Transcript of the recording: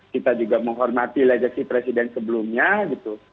kita juga menghormati legacy presiden sebelumnya gitu